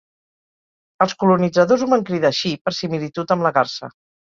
Els colonitzadors ho van cridar així per similitud amb la garsa.